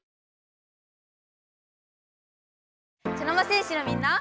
茶の間戦士のみんな。